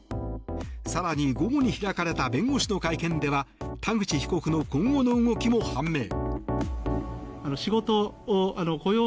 更に、午後に開かれた弁護士の会見では田口被告の今後の動きも判明。